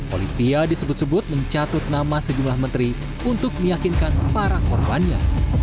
olivia disebut sebut mencatut nama sejumlah menteri untuk meyakinkan para korbannya